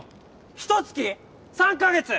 ひと月？３カ月？